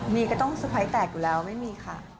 มีก็ต้องสะพ้ายแตกอยู่แล้วไม่มีค่ะ